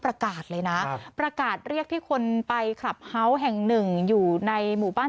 ประกาศเลยนะประกาศเรียกที่คนไปคลับเฮาส์แห่งหนึ่งอยู่ในหมู่บ้าน